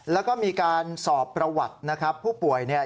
แล้วก็มีการสอบประวัติผู้ป่วยนะครับ